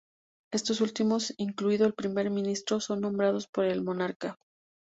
Estos últimos, incluido el Primer Ministro, son nombrados por el monarca.